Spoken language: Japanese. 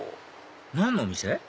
何のお店？